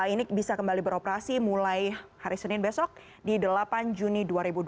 ini bisa kembali beroperasi mulai hari senin besok di delapan juni dua ribu dua puluh